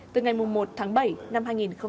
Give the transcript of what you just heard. từ ngày một tháng bảy năm hai nghìn hai mươi